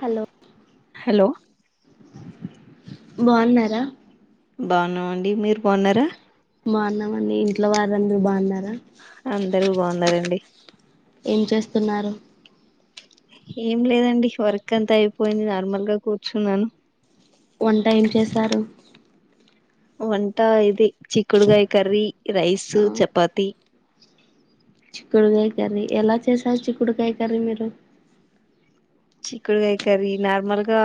Hello hello బాగున్నారా బాగున్నా అండి. మీరు బాగున్నారా బాగున్నామండి ఇంట్లో వారందరుూ బాగున్నారా అందరూ బాగున్నారండి ఏం చేస్తున్నారు ఏం లేదండి వర్క్ అంత అయిపోయింది నార్మల్గా కూర్చున్నాను వన్ టైం చేశారు వంట ఇది చిక్కుడుకాయ కర్రీ రైస్ ఆ చపాతి చిక్కుడుకాయ కర్రీ ఎలా చేసారు చిక్కుడుకాయ కర్రీ మీరు చిక్కుడుకాయ కరీ నార్మల్గా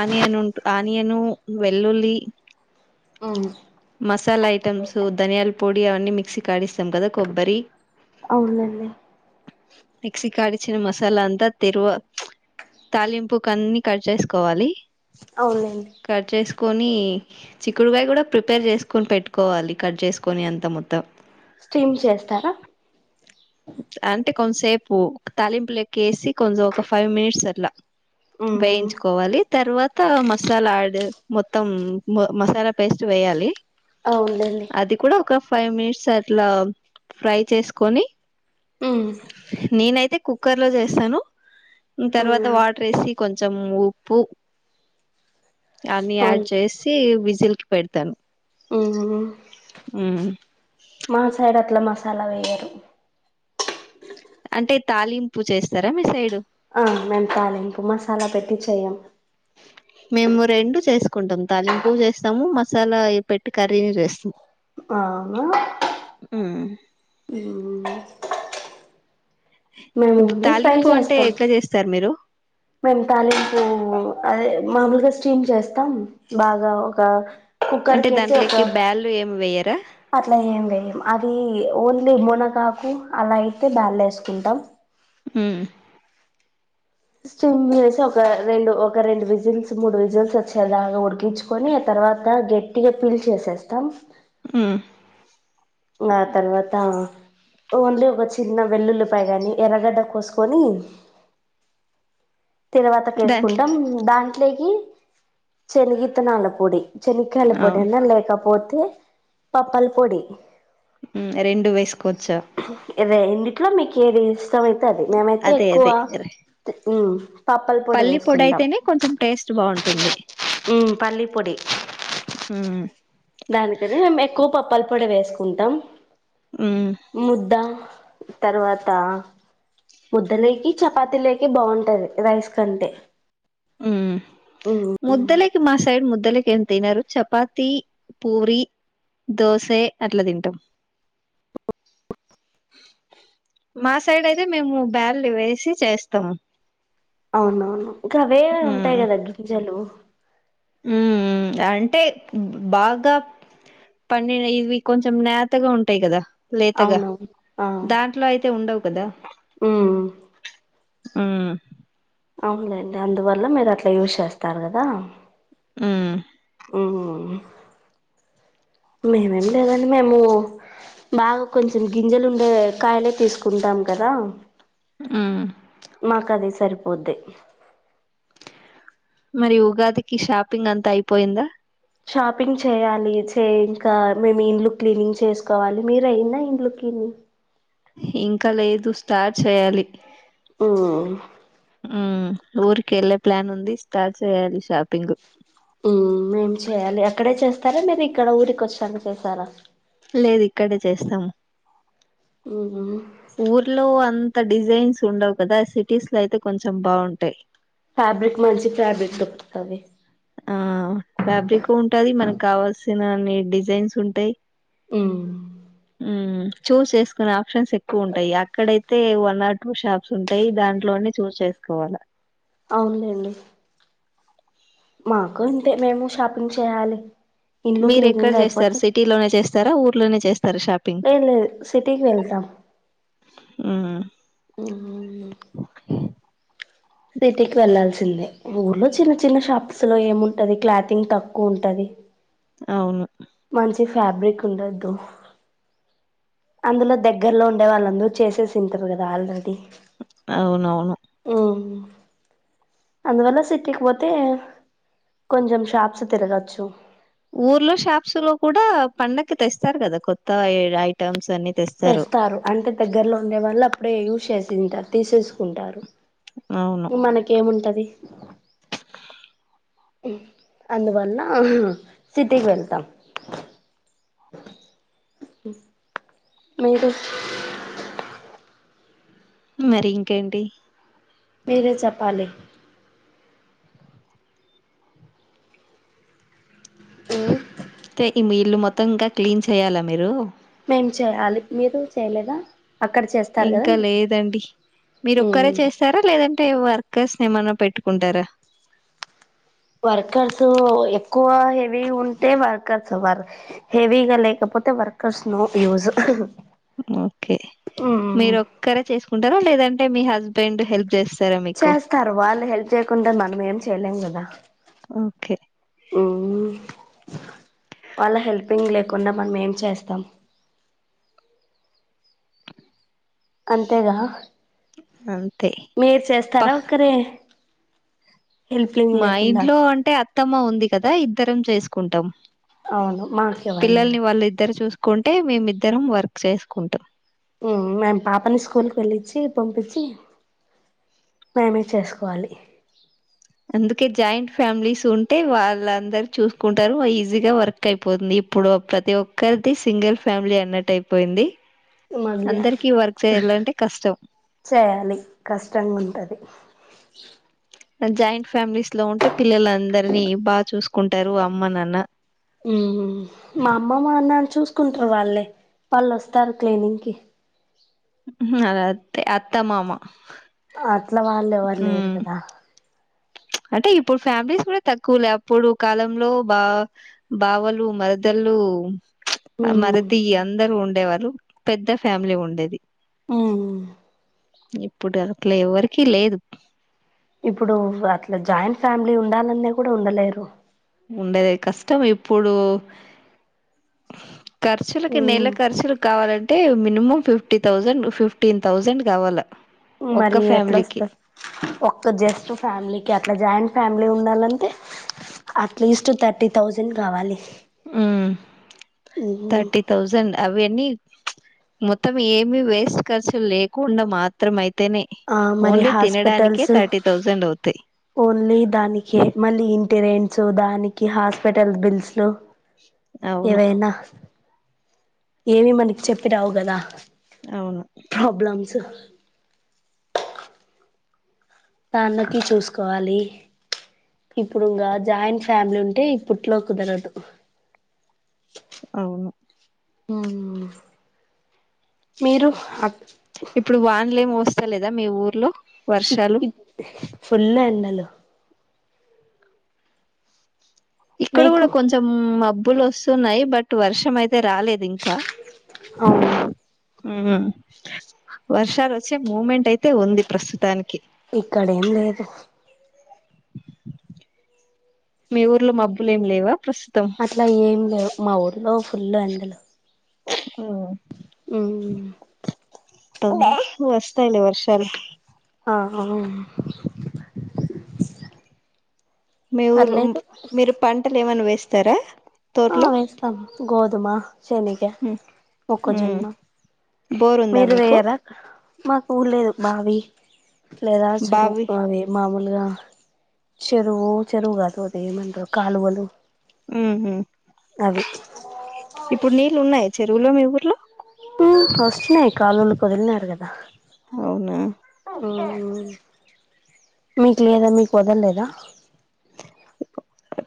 ఆనియన్ ఉంట ఆనియను వెల్లుల్లి అవును మసాలా ఐటమ్స్ ధనియాల పొడి అవన్నీ మిక్సీ కాడిస్తాం కదా కొబ్బరి అవునండి ఎక్సి కాడిచిన మసాలా అంతా తెరువ తాలింపు కన్ని కట్ చేసుకోవాలి అవునులేండి కట్ చేసుకొని చిక్కుడుకాయ కూడా ప్రిపేర్ చేసుకుొని పెట్టుకోవాలి కట్ చేసుకొని అంత మొత్తం స్టీమ్ చేస్తారా అంటే కొంచసేపు తాలింపుల ఎక్క వేసి కొంచెం ఒక ఫైవ్ మినిట్స్ అట్లా వేయించుకోవాలి తర్వాత మసాలా డ్ మొత్తం మసాలా పేస్ట్ వేయాలి అవునుండి అది కూడా ఒక ఫైవ్ మినిట్స్ అట్లా ఫ్రై చేసుకని నీనయితే కుక్కర్ లో చేస్తాను తర్వాత వాటర్ వేసి కొంచెం ఉప్పు అన్ని అవును యాడ్ చేసి చిలికి పెడతాను హ్మ్ మా సైడ్ అట్లా మా అలా వెయ్యరు అంటే తాలింపు చేస్తారా మీ సైడు ఆ మేము తాలింపు మసాలా పెట్టి చేయం మేము రెండు చేసుకుంటాం తాలింపు చేస్తాము మసాలా పెట్టి కర్రీని చేస్తాం ఆనా హ్మ్ హ్మ్ ఫ్రై తాలింపు అంటే చేస్తాం ఎట్లా చేస్తారు మీరు మేము తాలింపు అదే మామూలుగా స్టీమ్ చేస్తాం బాగా ఒక కుక్కర్ అంటే కేసి ఒక దాంట్లోకి బ్యాల్లు ఏమి వేయర అట్లా ఏం లే అది ఓన్లీ మునకాకు అలా అయితే బ్యాల్ వేసుకుంటాం హ్మ్ సిమ్ చేసి ఒక రెండు ఒక రెండు విజిల్స్ మూడు విజిల్స్ వచ్చేలాగా ఉడికించుకొని ఆ తర్వాత గట్టిగా ఫిల్ చేసేస్తాం హూ ఇంగా తర్వాత ఓన్లీ ఒక చిన్న వెల్లుల్లిపాయ గాని ఎర్రగడ్డ కోసుకొని తిరవాతకి దాంట్లో వేసుకుంటాం దాంట్లే ఈ చెనిగిత్తనాల పొడి చెనిక్కాయాల ఆ పొడన్నా లేకపోత్ తే పప్పల్ పొడి ఊ రెండూ వేసుకోవచ్చా ఈ రెండిటిలో మీకు ఏది ఇస్ ష్టమైతే అది మేమైతే ఎక్కువ ఊ పల్లీ పొడి అయితేనే కొంచెం టేస్ట్ బావుంటుంది ఉమ్ పల్లీ ఊ దానికనే మేం ఎక్కువ పప్పల పొడి వేసుకుంటాం మ్మ్ ముద్ద తర్వాత ముద్ద లేకి చపాతీ లేకి బాగుంటది. రైస్ కంటే ఉ ఉమ్ ముద్దలేకి మాసా సైడ్ ముద్దలకి ఏం తినరు చపాతి పూరి దోసె అట్లా తింటాం అవునవును ఇంక అవే ఉంటాయి కదా గింజలు మ్మ్ అంటే బాగా పండిన ఇవి కొంచెం నాతగా ఉంటాయి కదా లేతగా అవునవును దాంట్లో అయితే ఉండవు కదా ఉ మ్మ్ ఉమ్ అవునులేండి అందువల్ ల మీరు అట్ల్ యూజ్ చేస్తారు కదు దామ్ హుమ్ హుమ్ మేమేం లేదండి. మేము బాగా కొంచెం గింజలు ఉండేవే కాయలే తీసుకుంటాం. కదా హు మాకది సరిప్ పోద్దె మరి ఉగాదికి షాప్ ప్పింగ్ అంతా అయిపోయిందా షాపింగ్ చేయాలి చే ఇంకా మేము ఇండ్లు క్లీనింగ్ చేసుకోవాలి. మీరు అయింద ఇంట్లో క్లీనింగ్ ఇంకా లేదు స్టార్ట్ చేయాలి. ఓ హుమ్ ఊర్కి ఎల్ ప్లాన్ ఉంది స్టార్ట్ చేయాలి షాప్ హుమ్ మేం చేయ్యాలి అక్కడే చేస్తారా మీరు ఇక్కడ ఊరికి వచ్చినక చేస్తారా లేదు ఇక్కడే చేస్తాము హు హుమ్ ఊర్లో అంత అంత డిజైన్స్ ఉండవు కదా సిటీస్ లో అయితే కొంచెం బాగుంటాయి ఫ్యాబ్రిక్ మంచి ఫ్యాబ్రిక్ దప్పతుంది ఆ ఫ్యాబ్రిక్ ఉంటది మనకు కావాల్సినన్ని డిజైన్స్ ఉంటాయి హుమ్ హుమ్ చూజ్ చేసుకునే ఆప్షన్స్ ఎక్కువ ఉంటాయి అక్కడయితే వన్ ఆర్ టూ షాప్స్ ఉంటాయి దాంట్లోనే చూస్ చేసుకోవాలా అవులేండి మాకు అంతే మేము షాపింగ్ చేయాలి ఇల్లు మీరు ఎక్కడ క్లీనింగ్ చేస్తారు సిటీ లోనే చేస్తార ఊర్లోనే చేస్త ఎం లేదు సిటీకి వెళ్తా హుమ్ మ్ మ్మ్ సిటీకి వెళ్లాాల్సిందే ఊర్లో చిన్న చిన్న షాప్స్ లో ఏముంటది క్లాతింగ్ తక్కువ ఉంటది అవును మంచి ఫ్యాబ్రిక్ ఉండద్దు, అందులో దగ్గరలో ఉండే వాళ్ళందరూ చేసేసింటారు కదా ఆల్రెడీ అవునవును అందువళ సిటీకి పోతే కొంచెం షాప్స్ తిరగచ్చు ఊర్లో షాప్స్ లో కూడా పండకి తెస్తారు కదా కొత్త ఐటెమ్స్ అన్ని తెస్తారు అంటే దగ్గరలో ఉండే వాళ్ళ అప్పుడే యూజ్ చేసింటారు తీసేసుకుంటారు అవును మనకేముంటది అందువల సిటీకి వెళ్తాం మ్ మీరు మరింకేంటి మేరే చెప్పాలి ఉమ్ తె ఇమి ఇల్లు మొత్తం ఇంకా క్లీన్ చెయ్యాల మీరు మేం చెయ్యాలి మీరు చెయలేదా ఇంకా లేదండి మీరు ఒక్కరే చేస్తారా లేదం టే వర్కర్స్ ని ఏమన్నా పెట్టుకుంటర వర్కర్స్ ఎక్కువ హెవీ ఉంటే వర్కర్స్ వర్ హెవీగా లేకపోతే వర్కర్స్ నో యూస్ ఓకే మీరు ఒక్కరే చేసుకుంటర లేద అంటే మీ హస్బెండ్ హెల్ప్ చేస్ చేస్తారు వాళ్ళు హెల్ చెయకుండ మనమేం చేయలేం కదా ఓకే వాళ్ళ హెల్పింగ్ లే కున్నా మనమేం చేస్తాం అంతేగా అంతే మీరు ప చేస్తారా ఒకరే మా ఇంట్లో అంటే అత్తమ్మ ఉంది కదా ఇద్దరం చేసుకు కుంటం అవును మాకెవరు లేరు పిల్లల్ని వాళ్ళు ఇద్దరు చూసుకు కుంటే మేమిద్దరం వర్క్ చేసుకుంటం మేము పాపని స్కూల్కి వెళ్ళిచ్చి పంపించి మేమే చేసుకోవాలి అందుకే జాయింట్ ఫ్యామిలీస్ ఉంటే వాళ్ళందరు చూసుకుంటరు ఈజీగా వర్క్ అయిపోతుంది ఇప్పుడు ప్రతి ఒక్కరిదీ సింగిల్ ఫ్యామిలీ అన్నట్టు అయిపోయింది మళ్గా అందరికి వర్క్ చేయాలంటే కష్టం చెయాలి కష్టంగుంటది [unintelligible] జాయింట్ ఫ్యామిలీస్ ఇట్లో ఉంటే పిల్లలందరినీ బా చూసుకుంటరు అమ్మ నాన్న చూసుకుంట్రూ వాళ్ళే వాళ్ళు ఒస్తారు క్లీనింగ్ కి నాదత్తే అత్తమామ అట్ల వాళ్లెవరు లేరుకదా అంటే ఇప్పుడు ఫ్యామిలీస్ కూడ తక్కులే అప్పుడు కాలంలో బా బావలు మరదళ్ళు ప్చ్ అ ఉమ్ మరిది అందరు ఉం ఉండేవాలు పెద్ద ఫ్యామిలీ ఉండేది ఊ ఇప్పుడు అట్ల ఎవరికీ లేదు ఇప్పుడు అట్ల జాయింట్ ఫ్యామిలీ ఉండాలన్న కూడ ఉండలేరు ఉండేదె కష్టం ఇప్పుడు కర్చులకి ఉమ్ నెల కర్చులు కావాలంటే minimum fifty thousand fifteen thousand కావాలా మరి ఈ ఎట్ల వస్తరు ఒక్క జస్ట్ ఫ్యామిలీకి అట్లా జాయింట్ ఫ్యా ఉండి ఉండాలంటే అట్లీస్ట్ థర్టీ థౌసండ్ కావాలి ఊ ఉహు థర్టీ థౌజండ్ అవి ఎన్ని ప్చ్ మొత్తం ఏమి వేస్ట్ ఖర్చులు లేకుండా మాత్రం అయి ఆ మరి హాస్పిటల్స్ థర్టీ థౌజండ్ అవుతాయి ఓన్లీ దానికే మళ్ళీ ఇ టిరెంట్సు దానికి హాస్పిటల్ బిల్స్ లు అవును ఇవేనా ఏమి మనకి చెప్పి రావు కదా అవును ప్రబ్లమ్సు తన్నకి చూసుకోవాలి ఇప్పుడు ఇంకా జాయింట్ ఫ్యామిలీ ఉంటే ఇప్పుట్లో కుదరదు అవును ఊ మీరు అక్ ఇప్పుడు వాన్లేం వస్తలేదా మీ ఊర్లో వర్షాలు [unintelligible] ఫుల్ ఎండ హలో ఇక్కడ కూడా మీకు కొంచెం మబ్ ప్పులు ఒస్తున్నయ్ బట్ వర్షం అయి తె రాలేదు ఇంకా అవును ఊ వర్షాలు ఒచ్చే మూమెంట్ అయితే ఉంది ప్రస్తుతానికి ఇక్కడ ఏం లేదు మీ ఊర్లో మబ్బులు ఏం లేవా ప్రస్తుతం అట్లా ఏం లేవ్ మా ఊర్లో ఫుల్లు ఎండలు ఉ వస్తాయిలే వర్షాలు ఆ మీఊరు పర్లేదు మీరు పంటలు ఏమన్నా వేస్ స్తార ఆ వేస్తాం గోది తుమ శనిగ ఉమ్ మోక్కజొన్న బోర్ ఉందా మీరు మీకు వేయరా మాకు ఊలేదే బావి లేదస్రుూ బావి చెరువుకావ మామూలు చెరువు చెరువుగాదువతే మ కాలు వాలు ఆహ ఇప్పుడు నీళ్ళు ఉన్నాయి చెరువులో మీ ఊర్లో వస్తున్నాయి కాలులు వదిలినారు కదా అవునా హ హ మీకు లేదా మీకు వదలేదా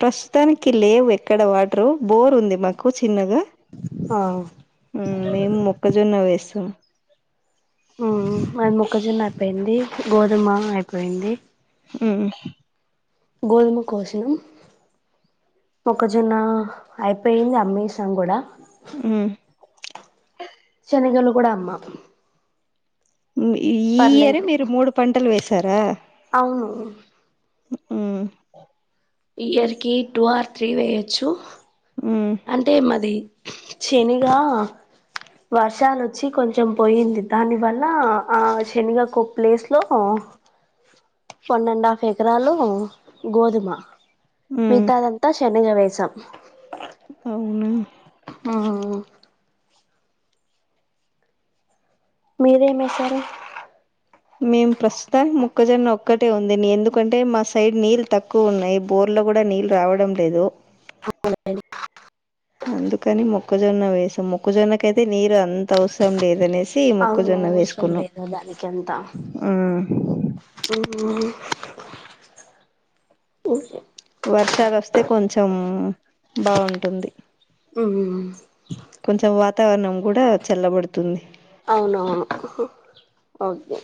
ప్రస్తుతానికి లేవు ఎక్కడ వాటరు బోర్ ఉంది మాకు చిన్నగా ఆ హ మేము మొక్కజొన్న వేస్తాం ఉ అది మొక్కజున్న అయిపోయింది గోధుమ అయిపోయింది హ గోధుమ కోసం ఒకజొన్న అయిపోయింది అమీసంగ్ కూడా హ శనగాళ కూడా అమ్మా ఈయరే మీరు మూడు పంటలు వేశారా ఓ హ్మ్మ్ ఇయర్ కి టూ ఆర్ త్రీ వేయొచ్చు ఉమ్ అంటే మాది శనిగ వర్షాలుొచ్చి కొంచెం పోయింది దానివల్ల ఆ శనిగ ఒక ప్లేస్లో వన్ అండ్ హాఫ్ ఎకరాలు గోధుమ ఉమ్ మితాదంతా శనగ వే పచ్చం అవును ఆ మీర్ ఏం ఏసారు మేము ప్రస్తుతం ముక్కజొన్న ఒక్కటే ఉంది ఎందుకంటే మా సైడ్ నీళ్ళు తక్కువ ఉన్నాయి బోర్లో కూడా నీళ్ళు రావడం లేదు మొజొన్న వేసాం మొక్కజొన్నక అయితే నీరు అంత అవసరం లేదనే చి అవును మొకుజొన్న అవసరం వేసుకున్నా లేదు దానికి అంతా అ హ వర్షాలు వస్తే కొంచెం బాగుంటుంది మ్ కొంచెం మ్ వాతావరణం కూడా చల్లబడుతుంది అవునవును ఓకే